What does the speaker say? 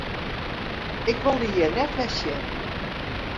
Ik wol dy hjir net wer sjen!